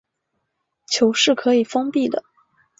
球可以是封闭的。